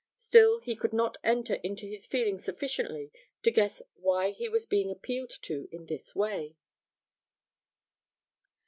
Still he could not enter into his feelings sufficiently to guess why he was being appealed to in this way.